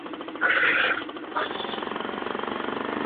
珀菊为菊科珀菊属的植物。